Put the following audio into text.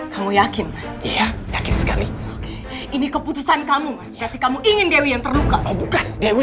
kamu yakin mas iya yakin sekali ini keputusan kamu mas berarti kamu ingin dewi yang terluka oh bukan dewi